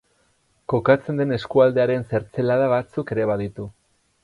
Kokatzen den eskualdearen zertzelada batzuk ere baditu.